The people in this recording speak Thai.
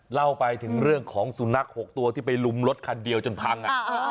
เล่าไปถึงเรื่องของสุนัข๖ตัวที่ไปลุมรถคันเดียวจนพัง